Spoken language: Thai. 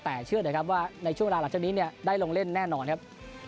แต่เชื่อเถอะครับว่าในช่วงเวลาหลังจากนี้ได้ลงเล่นแน่นอนครับ